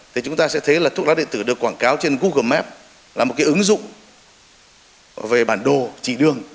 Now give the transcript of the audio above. thì chúng ta sẽ thấy là thuốc lá điện tử được quảng cáo trên google map là một cái ứng dụng về bản đồ chỉ đường